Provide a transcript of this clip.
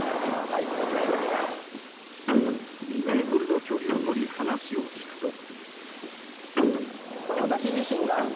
２ｍの距離を取り話を聞くと。